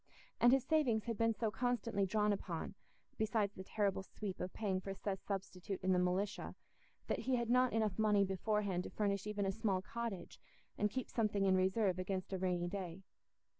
And his savings had been so constantly drawn upon (besides the terrible sweep of paying for Seth's substitute in the militia) that he had not enough money beforehand to furnish even a small cottage, and keep something in reserve against a rainy day.